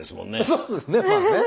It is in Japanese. そうですねまあね。